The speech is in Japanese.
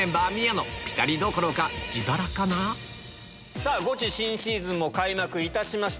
さぁゴチ新シーズンも開幕いたしました。